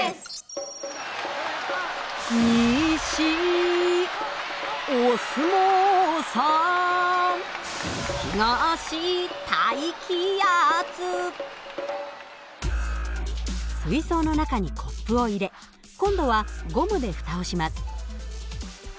にしひがし水槽の中にコップを入れ今度はゴムで蓋をします。